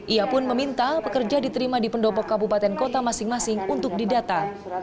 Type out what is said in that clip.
ia pun meminta pekerja diterima di pendopok kabupaten kota masing masing untuk didata